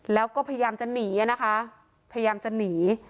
แล้วก็พยายามจะหนีนะคะพยายามจะหนี